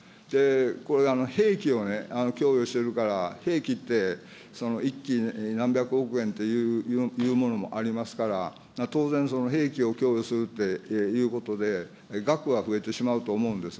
これ、兵器を供与してるから、兵器って１機何百億円というものもありますから、当然、その兵器を供与するっていうことで、額は増えてしまうと思うんです。